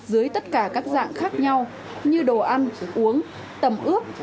dưới tất cả các dạng khác nhau như đồ ăn uống tầm ướp